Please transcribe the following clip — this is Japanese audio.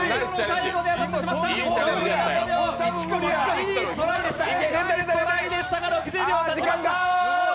いいトライでしたが６０秒たちました。